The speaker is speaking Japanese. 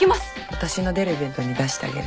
私の出るイベントに出してあげる。